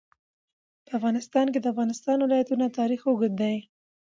په افغانستان کې د د افغانستان ولايتونه تاریخ اوږد دی.